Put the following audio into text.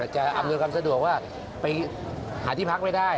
อำนวยความสะดวกว่าไปหาที่พักไม่ได้